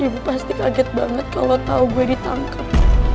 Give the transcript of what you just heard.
ibu pasti kaget banget kalau tau gue ditangkap